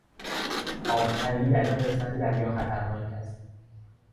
آبتنی در این قسمت دریا خطرناک است.